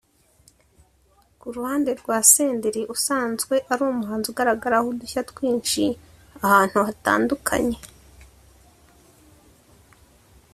Ku ruhande rwa Senderi usanzwe ari umuhanzi ugaragaraho udushya twinshi ahantu hatandukanye